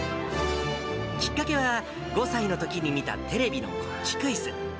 きっかけは、５歳のときに見たテレビの国旗クイズ。